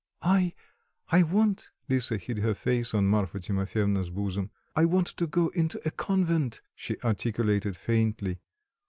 "I I want," Lisa hid her face on Marfa Timofyevna's bosom, "I want to go into a convent," she articulated faintly.